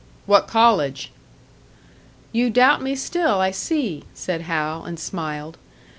"What college?" "You doubt me still, I see!" said Hal, and smiled.